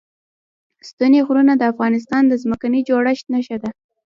ستوني غرونه د افغانستان د ځمکې د جوړښت نښه ده.